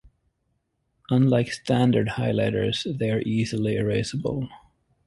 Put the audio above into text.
Unlike standard highlighters, they are easily erasable.